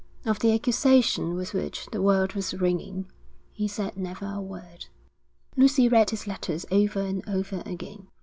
Of the accusation with which, the world was ringing, he said never a word. Lucy read his letters over and over again.